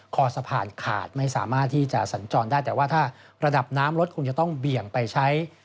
คอสะพานขาดไม่สามารถที่จะสัญจรได้แต่ว่าถ้าระดับน้ำรถคงจะต้องเบี่ยงไปใช้